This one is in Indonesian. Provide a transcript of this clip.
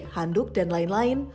handuk dan lain lain